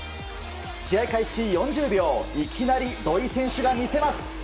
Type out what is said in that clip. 試合開始４０秒いきなり土井選手が見せます。